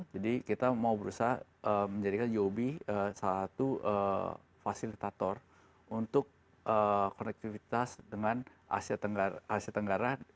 jadi kita mau berusaha menjadikan joby salah satu fasilitator untuk konektivitas dengan asia tenggara